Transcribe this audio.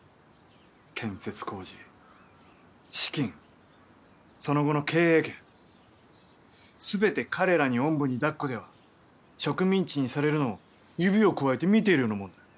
建設工事資金その後の経営権全て彼らにおんぶにだっこでは植民地にされるのを指をくわえて見ているようなもんだ。